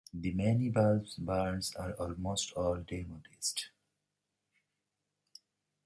The many bulbs barns are almost all demolished.